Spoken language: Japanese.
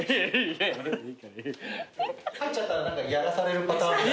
入っちゃったらやらされるパターン。